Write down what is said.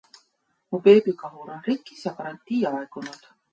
Mu beebikahur on rikkis ja garantii aegunud.